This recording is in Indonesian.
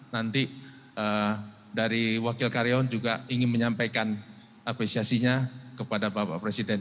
nanti dari wakil karyawan juga ingin menyampaikan apresiasinya kepada bapak presiden